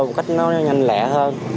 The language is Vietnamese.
một cách nó nhanh lẹ hơn